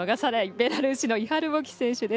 ベラルーシのイハル・ボキ選手。